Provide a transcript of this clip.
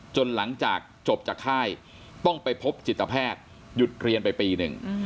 หลังจากจบจากค่ายต้องไปพบจิตแพทย์หยุดเรียนไปปีหนึ่ง